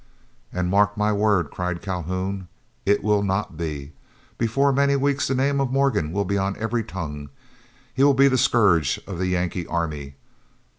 "And mark my word," cried Calhoun, "it will not be! Before many weeks the name of Morgan will be on every tongue. He will be the scourge of the Yankee army.